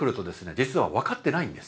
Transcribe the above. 実は分かってないんです。